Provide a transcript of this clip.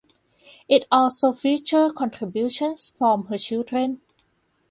It also featured contributions from her children.